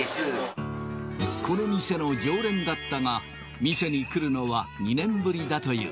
この店の常連だったが、店に来るのは２年ぶりだという。